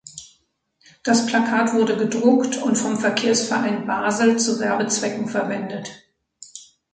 Das Plakat wurde gedruckt und vom Verkehrsverein Basel zu Werbezwecken verwendet.